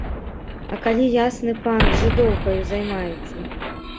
А калі ясны пан з жыдоўкаю займаецца?